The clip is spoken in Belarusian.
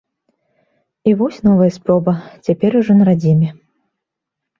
І вось новая спроба, цяпер ужо на радзіме.